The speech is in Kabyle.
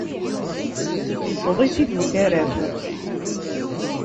Yuweḍ-itt-id ukaraf.